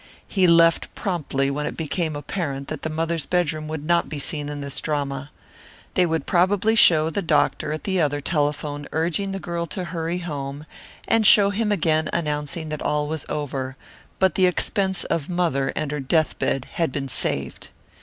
He left promptly when it became apparent that the mother's bedroom would not be seen in this drama. They would probably show the doctor at the other telephone urging the girl to hurry home, and show him again announcing that all was over, but the expense of mother and her deathbed had been saved.